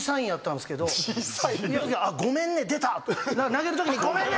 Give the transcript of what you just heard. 投げるときに「ごめんね」